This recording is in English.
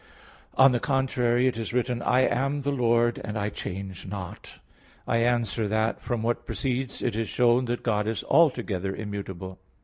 On the contrary, It is written, "I am the Lord, and I change not" (Malachi 3:6). I answer that, From what precedes, it is shown that God is altogether immutable.